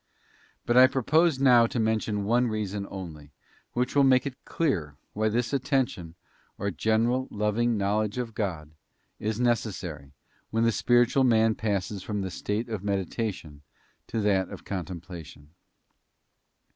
But I propose now to mention one reason only, which will make it clear why this attention, or general loving knowledge of God, is 107 necessary, when the spiritual man passes from the state of meditation to that of contemplation.